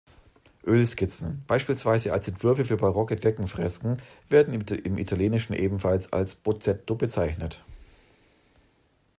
Ölskizzen, beispielsweise als Entwürfe für barocke Deckenfresken, werden im Italienischen ebenfalls als "bozzetto" bezeichnet.